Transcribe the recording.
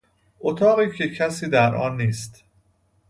اتاقی که کسی در آن نیست